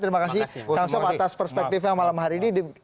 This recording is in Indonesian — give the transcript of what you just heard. terima kasih kang sob atas perspektifnya malam hari ini